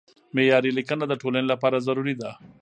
معیاري لیکنه د ټولنې لپاره ضروري ده.